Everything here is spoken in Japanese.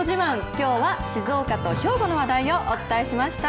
きょうは静岡と兵庫の話題をお伝えしました。